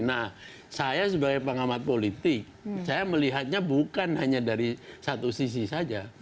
nah saya sebagai pengamat politik saya melihatnya bukan hanya dari satu sisi saja